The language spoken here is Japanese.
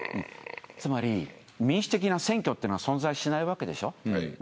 つまり民主的な選挙ってのは存在しないわけでしょ。